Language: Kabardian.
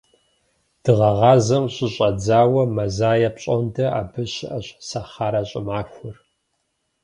Дыгъэгъазэм щыщӏэдзауэ мазае пщӏондэ абы щыӏэщ «Сахарэ щӏымахуэр».